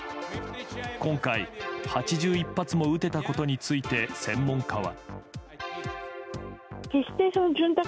今回８１発も撃てたことについて専門家は。